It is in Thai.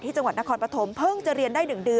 มีการฆ่ากันห้วย